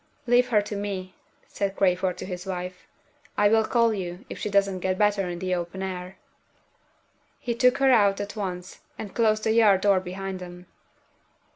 "Leave her to me," said Crayford to his wife. "I will call you, if she doesn't get better in the open air." He took her out at once, and closed the yard door behind them.